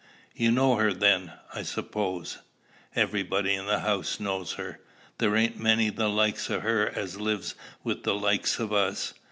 "You know her, then, I suppose?" "Everybody in the house knows her. There ain't many the likes o' her as lives wi' the likes of us.